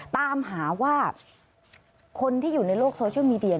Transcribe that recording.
ตามหาว่าคนที่อยู่ในโลกโซเชียลมีเดีย